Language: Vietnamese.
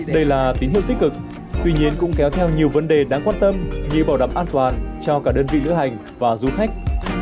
đây là tín hiệu tích cực tuy nhiên cũng kéo theo nhiều vấn đề đáng quan tâm như bảo đảm an toàn cho cả đơn vị lữ hành và du khách